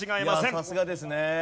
いやさすがですね。